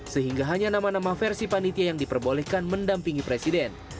sehingga hanya nama nama versi panitia yang diperbolehkan mendampingi presiden